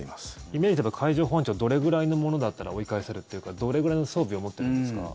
イメージで海上保安庁どれぐらいのものだったら追い返せるというかどれぐらいの装備を持ってるんですか？